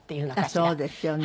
そうですよね。